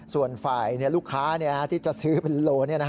ส่วนฝ่ายลูกค้าที่จะซื้อเป็นโล